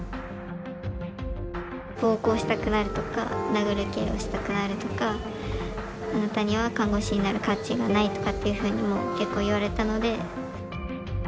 「暴行したくなる」とか「殴る蹴るをしたくなる」とか「あなたには看護師になる価値がない」とかっていうふうにも結構言われたので。